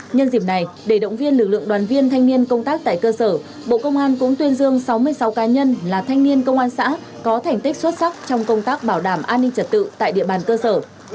nhân dịp này để động viên lực lượng đoàn viên thanh niên công tác tại cơ sở bộ công an cũng tuyên dương sáu mươi sáu cá nhân là thanh niên công an xã có thành tích xuất sắc trong công tác bảo đảm an ninh trật tự tại địa bàn cơ sở